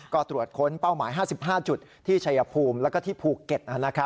ก็ตรวจค้นเป้าหมาย๕๕จุดที่ชัยภูมิแล้วก็ที่ภูเก็ต